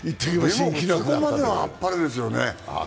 でもそこまではあっぱれですよね。